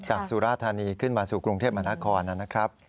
สุราธานีขึ้นมาสู่กรุงเทพมหานครนะครับ